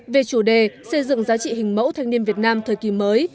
về chủ đề xây dựng giá trị hình mẫu thanh niên việt nam thời kỳ mới